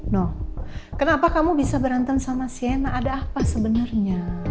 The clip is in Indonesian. no kenapa kamu bisa berantem sama siena ada apa sebenarnya